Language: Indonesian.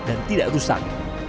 dan tidak rusak